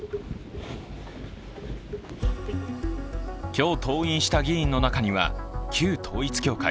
今日登院した議員の中には、旧統一教会、